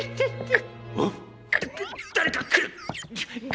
だだだれかくる。